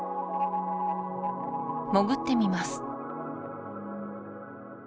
潜ってみます